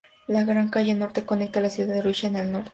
La Gran Calle Norte conecta la ciudad con Arusha en el norte.